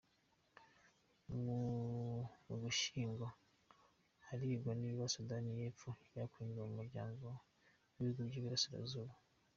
Mu Gushyingo harigwa niba Sudani y’Epfo yakwinjizwa Mumuryago wibuhugu Byiburasira zuba